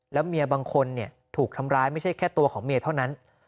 แล้วเมียบางคนถูกทำร้ายไม่ใช่แค่ตัวของเมียเท่านั้น